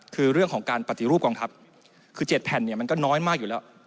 คือเรื่องของการปฏิรูปกองทัพคือ๗แผ่นเนี่ยมันก็น้อยมากอยู่แล้ว